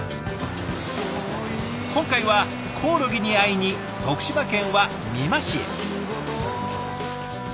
今回はコオロギに会いに徳島県は美馬市へ。